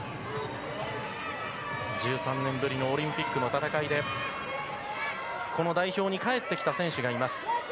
１３年ぶりのオリンピックの戦いで、この代表に帰ってきた選手がいます。